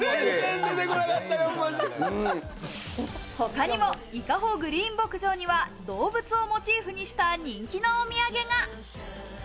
他にも伊香保グリーン牧場には動物をモチーフにした人気のお土産が。